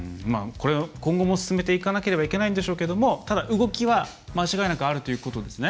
今後も進めていかなければいけないんでしょうけどもただ、動きは間違いなくあるということですね。